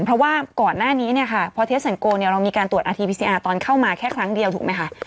เพราะว่าก่อนหน้านี้เนี้ยค่ะพอเทศเนี้ยเรามีการตรวจตอนเข้ามาแค่ครั้งเดียวถูกไหมค่ะ